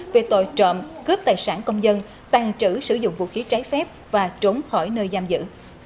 về tội trộm cướp tài sản công dân tàn trữ sử dụng vũ khí trái phép và trốn khỏi nơi giam giữ